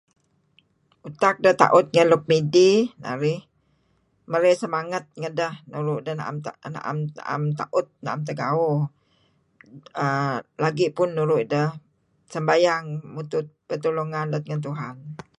Tak deh taut ngen nuk midih narih marey semngat dah nuru' ideh am taut naem tegao uhm lagi' pun nuru' ideh sembayang mutuh pertulungan lat ngen Tuhan.